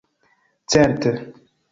Certe